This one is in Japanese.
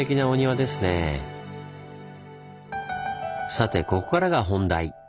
さてここからが本題。